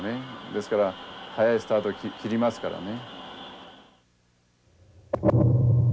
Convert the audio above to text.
ですから早いスタート切りますからね。